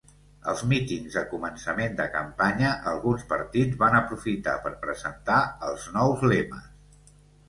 Als mítings de començament de campanya alguns partits van aprofitar per presentar els nous lemes.